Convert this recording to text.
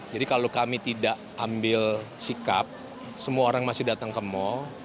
jadi kalau kami tidak ambil sikap semua orang masih datang ke mal